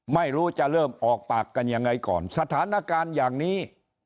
ไม่รู้จะเริ่มออกปากกันยังไงก่อนสถานการณ์อย่างนี้